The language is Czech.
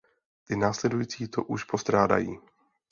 Ty následující to už postrádají.